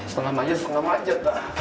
setengah majat setengah majat lah